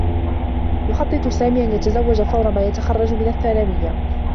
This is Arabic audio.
يخطّط سامي أن يتزوّج فور ما يتخرّج من الثّانويّة.